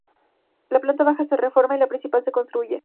La planta baja se reforma y la principal se reconstruye.